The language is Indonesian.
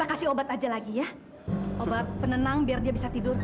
kasih obat aja lagi ya obat penenang biar dia bisa tidur